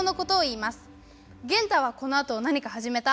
ゲンタはこのあと何かはじめた？